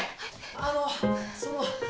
あのその。